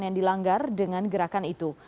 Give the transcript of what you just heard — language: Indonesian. yang dilanggar dengan gerakan itu